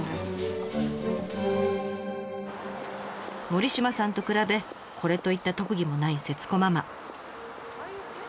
森島さんと比べこれといった特技もない節子ママ。